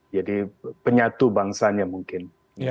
jadi penyatu bangsanya mungkin